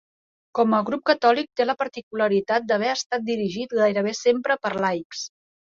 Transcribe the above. Com a grup catòlic té la particularitat d'haver estat dirigit gairebé sempre per laics.